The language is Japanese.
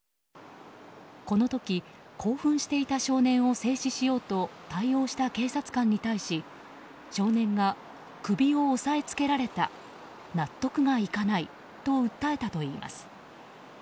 この時、興奮していた少年を制止しようと対応した警察官に対し少年が、首を押さえつけられた納得がいかないと訴えたといいます。